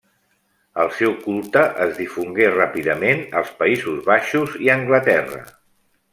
El seu culte es difongué ràpidament als Països Baixos i Anglaterra.